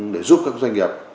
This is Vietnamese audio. để giúp các doanh nghiệp